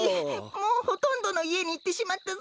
もうほとんどのいえにいってしまったぞ。